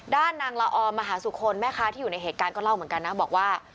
ด้านนางละอมหาสุคลแม่ค้าที่อยู่ในเหตุการณ์ก็เล่าเหมือนกันนะบอกว่า